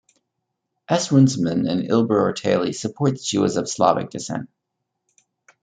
S. Runciman and Ilber Ortayli support that she was of Slavic descent.